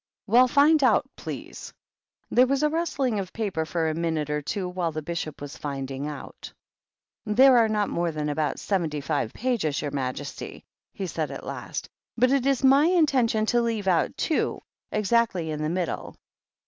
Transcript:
" Well, find out, please I" There was a rustling of paper for a minute or two while the Bishop was finding out. "There are not more than about seventy five pages, your majesty," he said, at last, " but it is my intention to leave out two, exactly in the middle."